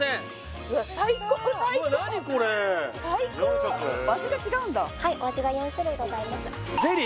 最高最高っはいお味が４種類ございます